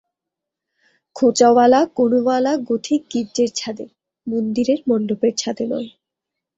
খোঁচাওয়ালা কোণওয়ালা গথিক গির্জের ছাঁদে, মন্দিরের মণ্ডপের ছাঁদে নয়।